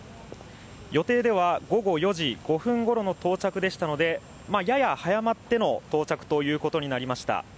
予定では午後４時５分ごろの到着でしたので、やや早まっての到着となりました。